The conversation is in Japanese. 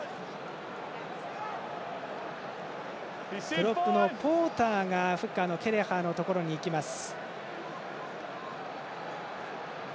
プロップのポーターがフッカーのケレハーのところに行きます。